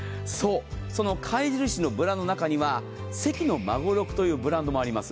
その貝印のブランドの中には関孫六というブランドもあります。